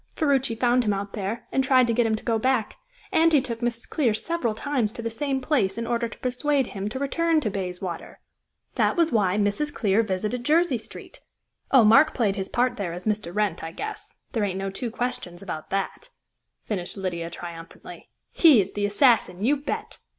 Ferruci found him out there, and tried to get him to go back, and he took Mrs. Clear several times to the same place in order to persuade him to return to Bayswater. That was why Mrs. Clear visited Jersey Street. Oh, Mark played his part there as Mr. Wrent, I guess; there ain't no two questions about that," finished Lydia triumphantly. "He is the assassin, you bet!"